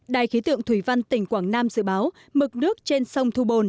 đài khí tượng thủy văn tỉnh quảng nam dự báo mực nước trên sông thu bồn